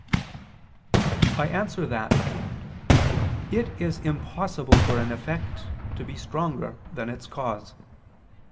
I answer that, It is impossible for an effect to be stronger than its cause.